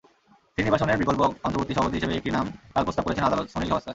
শ্রীনিবাসনের বিকল্প অন্তর্বর্তী সভাপতি হিসেবে একটি নামই কাল প্রস্তাব করেছেন আদালত—সুনীল গাভাস্কার।